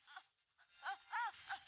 aku jangan luar